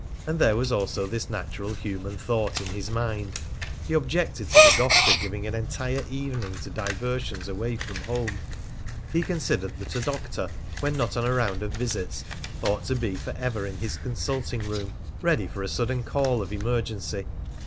And there was also this natural human thought in his mind: he objected to the doctor giving an entire evening to diversions away from home; he considered that a doctor, when not on a round of visits, ought to be forever in his consulting room, ready for a sudden call of emergency.